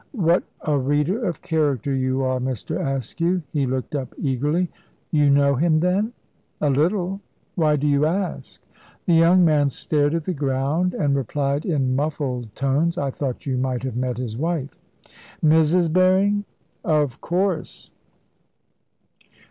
"What a reader of character you are, Mr. Askew!" He looked up eagerly. "You know him, then." "A little. Why do you ask?" The young man stared at the ground, and replied in muffled tones: "I thought you might have met his wife." "Mrs. Berring?" "Of course."